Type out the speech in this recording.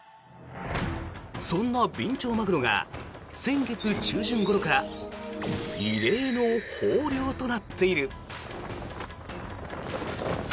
そんなビンチョウマグロが先月中旬ごろから異例の豊漁となっている。